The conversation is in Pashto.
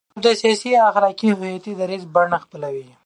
او د سیاسي، اخلاقي او هویتي دریځ بڼه خپلوي،